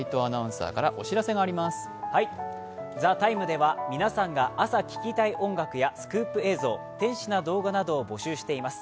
「ＴＨＥＴＩＭＥ，」では皆さんが朝聴きたい音楽やスクープ映像、天使な動画などを募集しています。